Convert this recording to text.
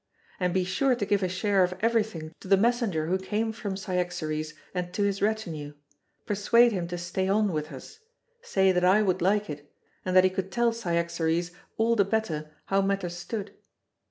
And be sure to give a share of everything to the messenger who came from Cyaxares and to his retinue; persuade him to stay on with us, say that I would like it, and that he could tell Cyaxares all the better how matters stood.